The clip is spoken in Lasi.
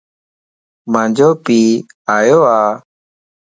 مانجو پي آيو ا